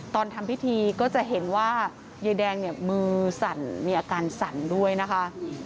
ตอนทำพิธีก็จะเห็นว่ายายแดงเนี่ยมือสั่นมีอาการสั่นด้วยนะคะ